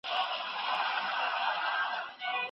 او نه باز وي زموږ